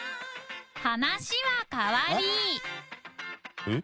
話は変わりえっ？